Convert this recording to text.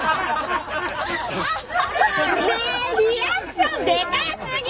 ねえリアクションでかすぎ！